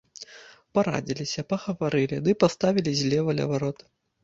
Парадзіліся, пагаварылі ды паставілі злева ля варот.